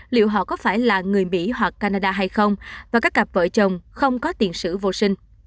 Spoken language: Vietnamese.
liệu họ có phải là người mỹ hoặc canada hay không và các cặp vợ chồng không có tiền sử vô sinh